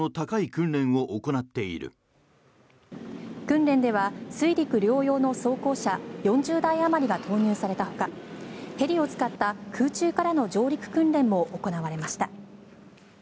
訓練では水陸両用の装甲車４０台あまりが投入されたほかヘリを使った空中からの上陸訓練も行われました。